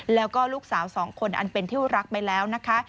แล้วก็ลูกสาวสองคนอันเป็นที่รักไปแล้วนะคะ